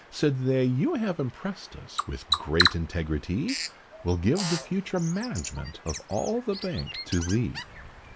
Said they, "You have impressed us with great integritee, We'll give the future management of all the Bank to thee."